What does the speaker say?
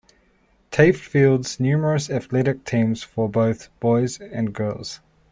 Taft fields numerous athletic teams for both boys and girls.